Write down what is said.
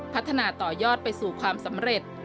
พัฒนาต่อยอดไปสู่ความสำเร็จ